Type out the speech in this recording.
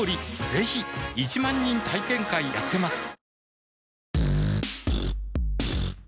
ぜひ１万人体験会やってますはぁ。